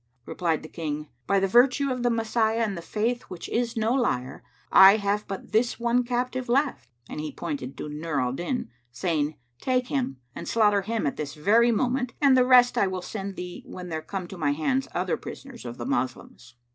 Replied the King, 'By the virtue of the Messiah and the Faith which is no liar, I have but this one captive left!" And he pointed to Nur al Din, saying, "Take him and slaughter him at this very moment and the rest I will send thee when there come to my hands other prisoners of the Moslems."